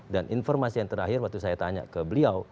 dan informasi yang terakhir waktu saya tanya ke beliau